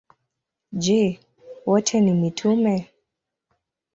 Je, wote ni mitume?